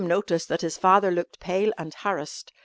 William noticed that his father looked pale and harassed.